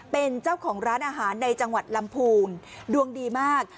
เป็นเจ้าของร้านอาหารในจังหวัดลำพูนดวงดีมาก